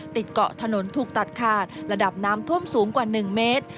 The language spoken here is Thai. เกาะถนนถูกตัดขาดระดับน้ำท่วมสูงกว่า๑เมตร